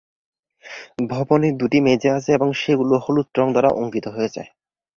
ভবনে দুটি মেঝে আছে এবং সেগুলো হলুদ রঙ দ্বারা অঙ্কিত হয়েছে।